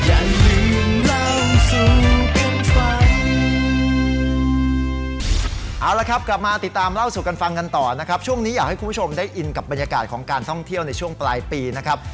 เอาละครับกลับมาติดตามเล่าสู่กันฟังกันต่อนะครับช่วงนี้อยากให้คุณผู้ชมได้อินกับบรรยากาศของการท่องเที่ยวในช่วงปลายปีนะครับ